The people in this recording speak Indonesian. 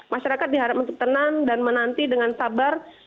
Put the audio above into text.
masyarakat diharap untuk tenang dan menanti dengan sabar